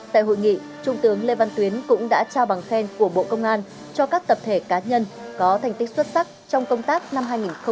tại hội nghị trung tướng lê văn tuyến cũng đã trao bằng khen của bộ công an cho các tập thể cá nhân có thành tích xuất sắc trong công tác năm hai nghìn hai mươi ba